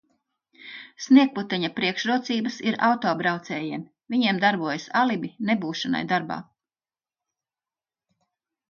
Sniegputeņa priekšrocības ir autobraucējiem, viņiem darbojas alibi nebūšanai darbā.